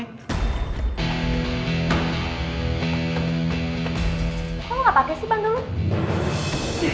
kok lo gak pakai sih bantuan lo